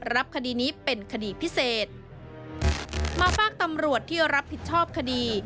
รับคดีนี้เป็นคดีพิเศษมาฝากตำรวจที่รับผิดชอบคดี